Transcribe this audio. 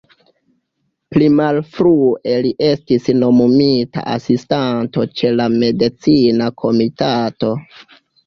Pli malfrue, li estis nomumita Asistanto ĉe la Medicina Komitato.